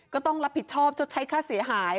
ก็ต้องรับผิดชอบชดใช้ค่าเสียหาย